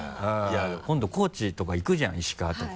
今度高知とか行くじゃん石川とか。